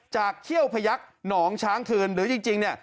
เขี้ยวพยักษ์หนองช้างคืนหรือจริงเนี่ย